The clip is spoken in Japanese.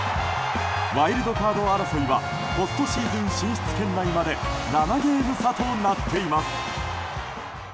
ワイルドカード争いはポストシーズン進出圏内まで７ゲーム差となっています。